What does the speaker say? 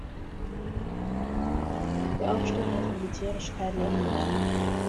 Der Aufstand hatte militärisch keinen Erfolg.